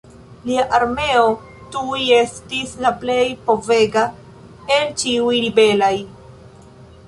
Lia armeo tuj estis la plej povega el ĉiuj ribelaj.